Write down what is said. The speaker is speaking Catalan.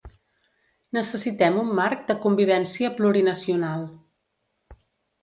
Necessitem un marc de convivència plurinacional.